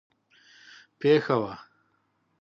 پېښه وه.